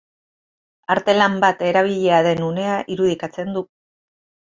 Arte lan bat erabilia den unea irudikatzen du.